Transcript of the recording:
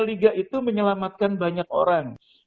liga itu menyelamatkan banyak orang